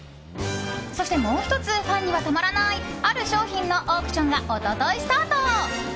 そしてもう１つファンにはたまらないある商品のオークションが一昨日スタート。